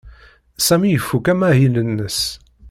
Sami ifuk amahil-nnes.